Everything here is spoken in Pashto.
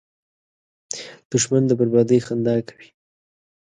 دښمن د بربادۍ خندا کوي